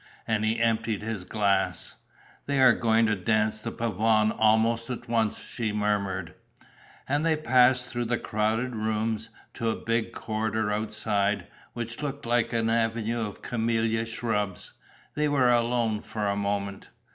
And he emptied his glass. "They are going to dance the pavane almost at once," she murmured. And they passed through the crowded rooms, to a big corridor outside, which looked like an avenue of camellia shrubs. They were alone for a moment.